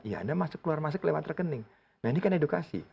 iya anda masuk keluar masuk lewat rekening nah ini kan edukasi